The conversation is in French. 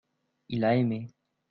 il a aimé.